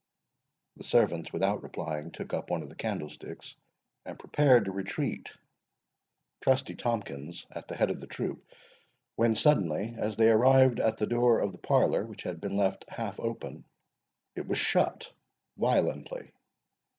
The servants, without replying, took up one of the candlesticks, and prepared to retreat, Trusty Tomkins at the head of the troop, when suddenly, as they arrived at the door of the parlour, which had been left half open, it was shut violently.